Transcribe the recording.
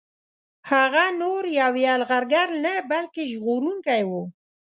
هغه نور یو یرغلګر نه بلکه ژغورونکی وو.